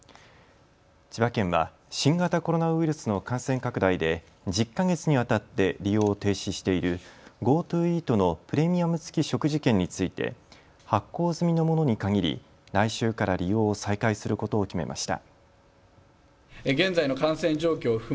千葉県は新型コロナウイルスの感染拡大で１０か月にわたって利用を停止しているＧｏＴｏイートのプレミアム付き食事券について発行済みのものに限り来週から利用を再開することを決めました。